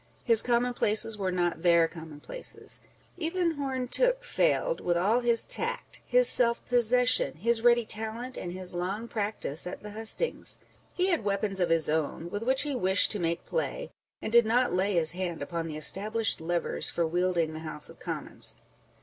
His commonplaces were not their commonplaces. Even Home Tooke failed, with all his tact, his self possession, his ready talent, and his long practice at the hustings. He had weapons of his own, with which he wished to make play, and did not lay his hand upon the established levers for wielding the House of Commons.